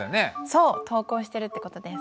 そう「投稿してる」って事です。